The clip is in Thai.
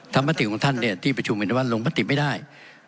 ถ้ามมติของท่านที่ประชุมมินวัลลงมติไม่ได้